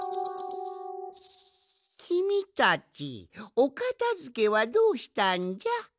きみたちおかたづけはどうしたんじゃ？